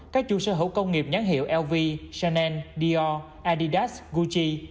các chu sở hữu công nghiệp nhãn hiệu lv chanel dior adidas gucci